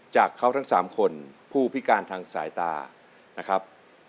จากเขาทั้ง๓คนผู้พิการทางสายตานะครับ